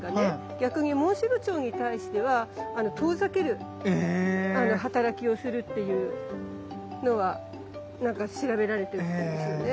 逆にモンシロチョウに対しては遠ざける働きをするっていうのはなんか調べられているんですよね。